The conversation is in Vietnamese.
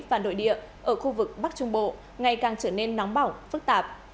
và nội địa ở khu vực bắc trung bộ ngày càng trở nên nóng bỏng phức tạp